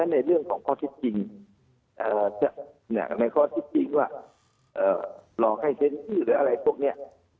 ในเรื่องของข้อเท็จจริงในข้อที่จริงว่าหลอกให้เซ็นชื่อหรืออะไรพวกนี้